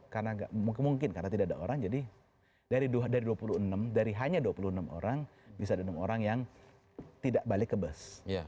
karena tidak ada orang jadi dari dua puluh enam dari hanya dua puluh enam orang bisa ada enam orang yang tidak balik ke bus